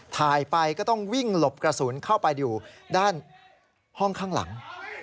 ถ่ายไปก็ต้องวิ่งหลบกระสุนเข้าไปอยู่ด้านห้องข้างหลัง